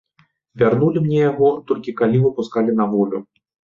Вярнулі мне яго, толькі калі выпускалі на волю.